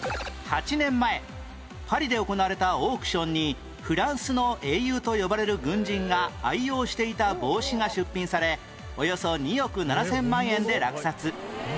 ８年前パリで行われたオークションにフランスの英雄と呼ばれる軍人が愛用していた帽子が出品されおよそ２億７０００万円で落札